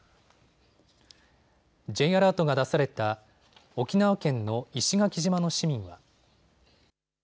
Ｊアラートが出された沖縄県の石垣島の市民は。